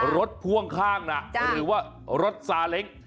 พ่วงข้างนะหรือว่ารถซาเล้ง